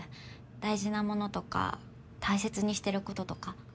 大事なものとか大切にしてることとか。